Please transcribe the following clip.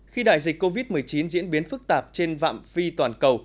khi đại dịch covid một mươi chín diễn biến phức tạp trên vạm phi toàn cầu